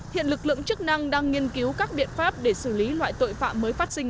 hiện lực lượng chức năng đang nghiên cứu các biện pháp để xử lý loại tội phạm